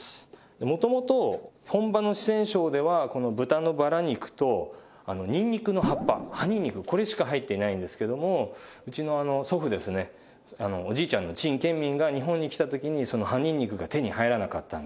元々本場の四川省ではこの豚のバラ肉とにんにくの葉っぱ葉にんにくこれしか入っていないんですけれどもうちの祖父ですねおじいちゃんの陳建民が日本に来た時にその葉にんにくが手に入らなかったので。